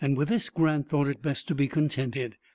With this Grant thought it best to be contented.